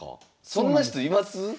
そんな人います？